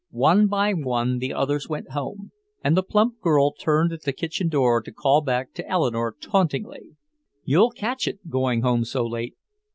One by one the others went home, and the plump girl turned at the kitchen door to call back to Eleanore tauntingly, "You'll catch it, going home so late!"